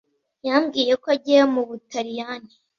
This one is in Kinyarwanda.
Yambwiye ko agiye mu Butaliyani.